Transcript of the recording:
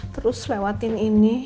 terus lewatin ini